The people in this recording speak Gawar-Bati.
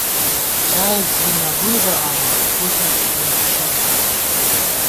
ژائېس زی نہ بُوئی بہ آما، پݪېس ہِنکیݭَت تِھمان